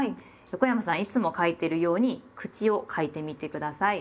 横山さんいつも書いてるように「口」を書いてみて下さい。